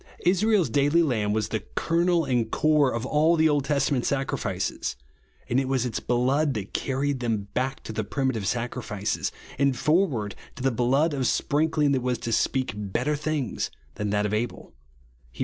Israel's daily lamb was the kernel and core of all the Old Testament sacrifices ; and it v^as its blood that carried them back to the primitive sacrifices, and forward to the blood of sprinkling that was to speak better things than that of Abel, (Heb.